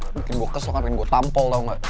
mungkin gue kesel mungkin gue tampol tau gak